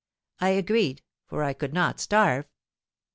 '—I agreed—for I could not starve.